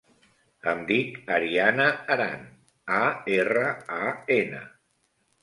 Em dic Ariana Aran: a, erra, a, ena.